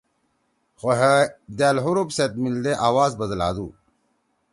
خو ہے دأل حروف سیت میِلدے آواز بدلادُو